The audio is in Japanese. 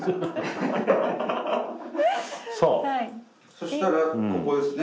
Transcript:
そしたらここですね。